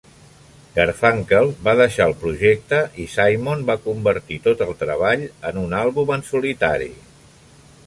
Garfunkel va deixar el projecte i Simon va convertir tot el treball en un àlbum en solitari.